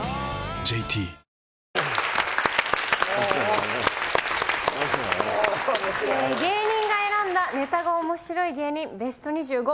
ＪＴ芸人が選んだネタが面白い芸人ベスト２５。